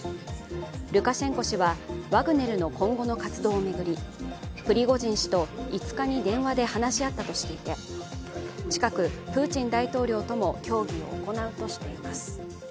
ルカシェンコ氏はワグネルの今後の活動を巡りプリゴジン氏と５日に電話で話し合ったとしていて近く、プーチン大統領とも協議を行うとしています。